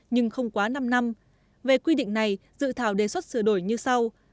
nhưng không quá năm năm về quy định này dự thảo đề xuất sửa đổi như sau